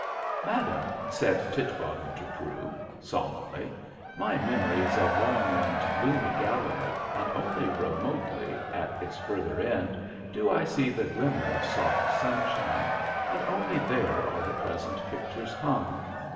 "Madam," said Titbottom to Prue, solemnly, "my memory is a long and gloomy gallery, and only remotely, at its further end, do I see the glimmer of soft sunshine, and only there are the pleasant pictures hung.